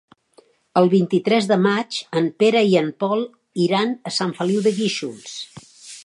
El vint-i-tres de maig en Pere i en Pol iran a Sant Feliu de Guíxols.